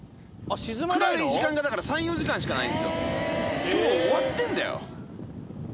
暗い時間がだから３４時間しかないんですよ。